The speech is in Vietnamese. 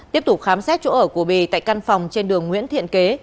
tiếp tục khám xét chỗ ở của bì tại căn phòng trên đường nguyễn thiện kế